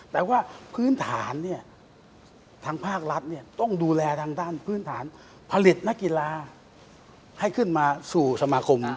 แต่ว่าพื้นฐานเนี่ยทางภาครัฐต้องดูแลทางด้านพื้นฐานผลิตนักกีฬาให้ขึ้นมาสู่สมาคม